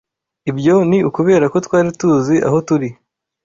Ibyo ni ukubera ko twari tuzi aho turi.